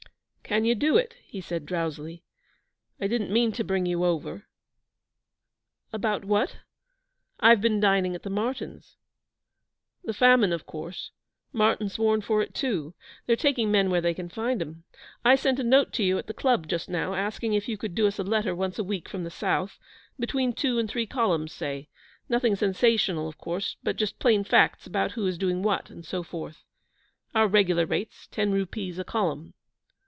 'Can you do it?' he said drowsily. 'I didn't mean to bring you over.' 'About what? I've been dining at the Martyns'.' 'The famine, of course, Martyn's warned for it, too. They're taking men where they can find 'em. I sent a note to you at the Club just now, asking if you could do us a letter once a week from the south between two and three columns, say. Nothing sensational, of course, but just plain facts about who is doing what, and so forth. Our regular rates ten rupees a column.'